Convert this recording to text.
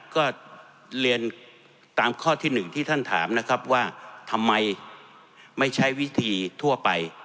ก็เรียนตามข้อที่๑ที่ท่านถามนะครับว่าทำไมไม่ใช้วิธีทั่วไป